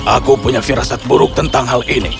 aku punya firasat buruk tentang hal ini